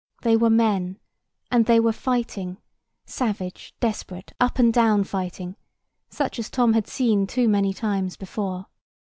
They were men; and they were fighting; savage, desperate, up and down fighting, such as Tom had seen too many times before.